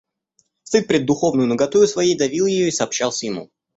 Стыд пред духовною наготою своей давил ее и сообщался ему.